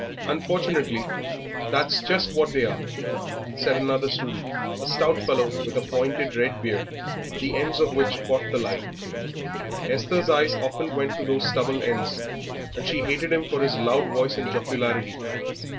"Unfortunately that's just what they are," said another student, a stout fellow with a pointed red beard, the ends of which caught the light. Esther's eyes often went to those stubble ends, and she hated him for his loud voice and jocularity.